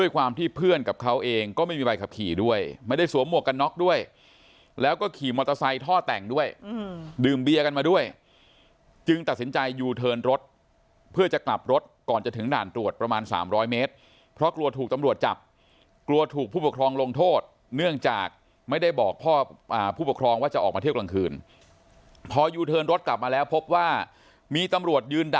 กันน็อคด้วยแล้วก็ขี่มอเตอร์ไซด์ท่อแต่งด้วยอืมดื่มเบียร์กันมาด้วยจึงตัดสินใจยูเทินรถเพื่อจะกลับรถก่อนจะถึงด่านตรวจประมาณสามร้อยเมตรเพราะกลัวถูกตำรวจจับกลัวถูกผู้ปกครองลงโทษเนื่องจากไม่ได้บอกพ่ออ่าผู้ปกครองว่าจะออกมาเที่ยวกลางคืนพอยูเทินรถกลับมาแล้วพบว่ามีตำรวจยืน